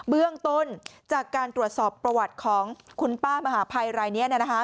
เบื้องต้นจากการตรวจสอบประวัติของคุณป้ามหาภัยรายนี้